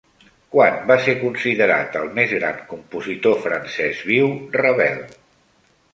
Quan va ser considerat el més gran compositor francès viu Ravel?